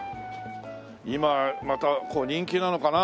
今また人気なのかな？